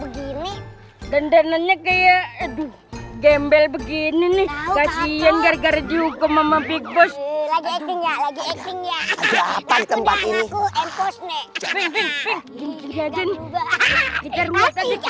gendernya kayak gembel begini nih kasihan gara gara dihukum mama big boss